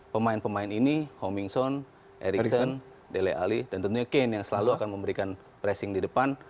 pemain pemain ini homingson ericson dele ali dan tentunya kane yang selalu akan memberikan pressing di depan